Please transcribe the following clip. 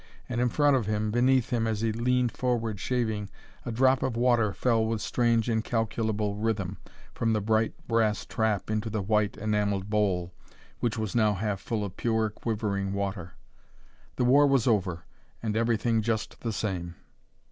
And in front of him, beneath him as he leaned forward shaving, a drop of water fell with strange, incalculable rhythm from the bright brass tap into the white enamelled bowl, which was now half full of pure, quivering water. The war was over, and everything just the same.